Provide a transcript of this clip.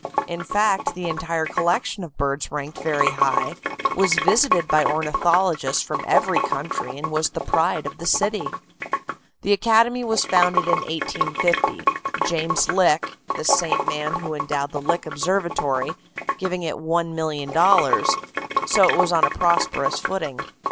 In fact, the entire collection of birds ranked very high, was visited by ornithologists from every country, and was the pride of the city. The academy was founded in 1850, James Lick, the same man who endowed the Lick Observatory, giving it $1,000,000, so it was on a prosperous footing.